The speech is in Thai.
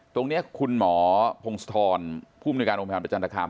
ตรงนี้คุณหมอพงศธรผู้มนุยการโรงพยาบาลประจันทคาม